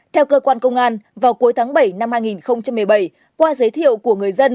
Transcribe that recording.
theo cơ quan công an vào cuối tháng bảy năm hai nghìn một mươi bảy qua giới thiệu của người dân